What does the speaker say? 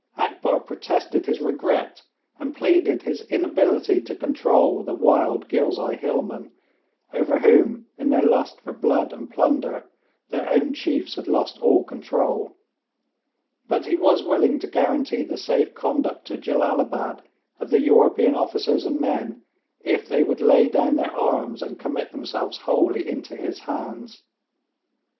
Akbar protested his regret, and pleaded his inability to control the wild Ghilzai hillmen, over whom, in their lust for blood and plunder, their own chiefs had lost all control; but he was willing to guarantee the safe conduct to Jellalabad of the European officers and men if they would lay down their arms and commit themselves wholly into his hands.